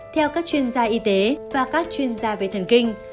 theo các chuyên gia y tế và các chuyên gia về thần kinh